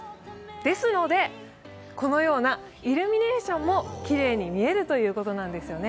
ですので、このようなイルミネーションもきれいに見えるということなんですよね。